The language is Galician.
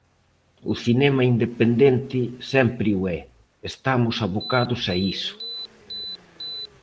O cinema independente sempre o é, estamos abocados a iso.